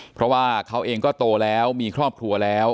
เพราะว่าเขาเองก็โตแล้วมีครอบครัวแล้ว